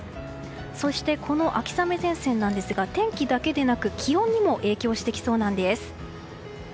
そして、この秋雨前線ですが天気だけでなく気温にも影響してきそうなんです。